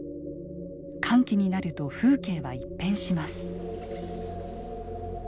乾季になると風景は一変します。